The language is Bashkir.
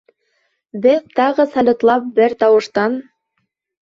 Беҙ тағы салютлап бер тауыштан: